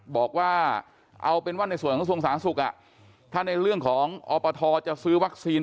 บอกว่าเอาเป็นว่าส่วนกระทรวงมหาสุขถ้าในเรื่องของอศพจะซื้อวัคซีน